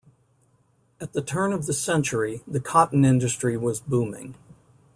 At the turn of the century, the cotton industry was booming.